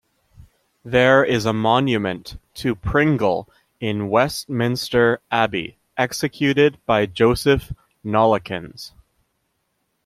There is a monument to Pringle in Westminster Abbey, executed by Joseph Nollekens.